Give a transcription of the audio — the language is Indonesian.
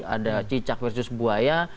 ada cicak versus buaya